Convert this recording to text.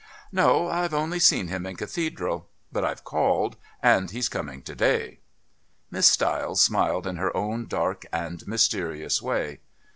"No. I've only seen him in Cathedral. But I've called, and he's coming to day." Miss Stiles smiled in her own dark and mysterious way.